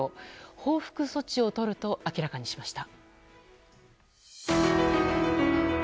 報復措置をとると明らかにしました。